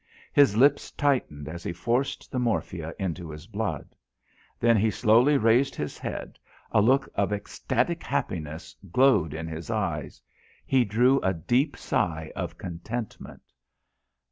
His lips tightened as he forced the morphia into his blood. Then he slowly raised his head, a look of ecstatic happiness glowed in his eyes; he drew a deep sigh of contentment.